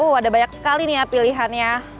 wah ada banyak sekali nih ya pilihannya